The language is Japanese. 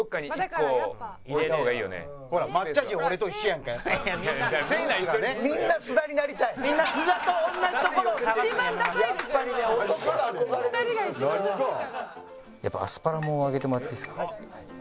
やっぱアスパラも揚げてもらっていいですか？